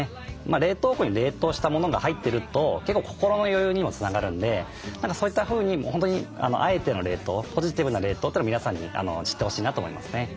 冷凍庫に冷凍したものが入ってると結構心の余裕にもつながるんでそういったふうに本当にあえての冷凍ポジティブな冷凍というのを皆さんに知ってほしいなと思いますね。